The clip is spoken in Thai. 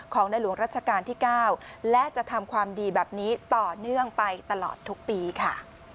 ในหลวงรัชกาลที่๙และจะทำความดีแบบนี้ต่อเนื่องไปตลอดทุกปีค่ะ